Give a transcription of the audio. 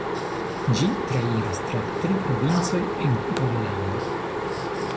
Ĝi trairas tra tri provincoj en Pollando.